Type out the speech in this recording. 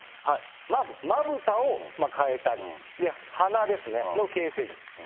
まずまぶたを変えたり、鼻ですね、の形成術。